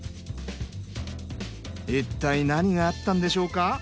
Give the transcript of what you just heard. いったい何があったんでしょうか？